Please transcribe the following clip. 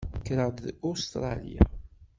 Kkreɣ-d deg Ustṛalya.